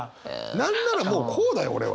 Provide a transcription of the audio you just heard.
何ならもうこうだよ俺は。